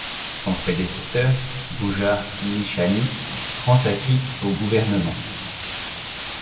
Son prédécesseur, Bujar Nishani, prend sa suite au gouvernement.